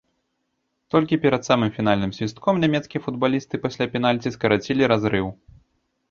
Толькі перад самым фінальным свістком нямецкія футбалісты пасля пенальці скарацілі разрыў.